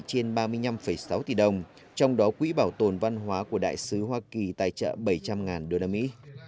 trên ba mươi năm sáu tỷ đồng trong đó quỹ bảo tồn văn hóa của đại sứ hoa kỳ tài trợ bảy trăm linh đô la mỹ